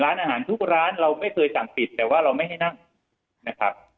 ร้านอาหารทุกร้านเราไม่เคยสั่งปิดแต่ว่าเราไม่ให้นั่งนะครับ